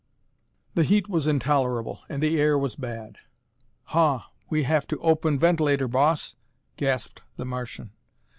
The heat was intolerable and the air was bad. "Haw, we have to open vent'lator, Boss!" gasped the Martian.